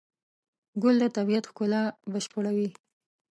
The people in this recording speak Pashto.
ګل د طبیعت ښکلا بشپړوي.